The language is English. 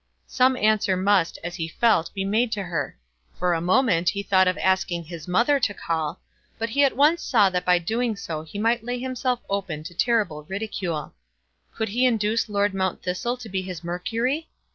Some answer must, as he felt, be made to her. For a moment he thought of asking his mother to call; but he at once saw that by doing so he might lay himself open to terrible ridicule. Could he induce Lord Mount Thistle to be his Mercury?